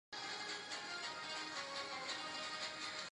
په ازادي راډیو کې د د اوبو منابع اړوند معلومات ډېر وړاندې شوي.